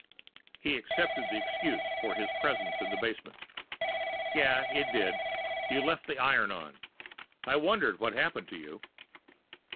He accepted the excuse for his presence in the basement. "Yeah, it did. You left the iron on. I wondered what happened to you?"